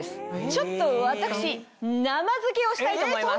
ちょっと私生着けをしたいと思います。